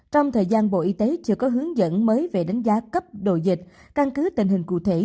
trong thời gian bộ y tế chưa có hướng dẫn mới về đánh giá cấp đồ dịch căn cứ tình hình cụ thể